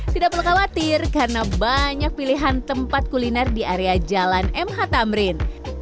tidak perlu khawatir karena banyak pilihan tempat kuliner di area jalan mh tamrin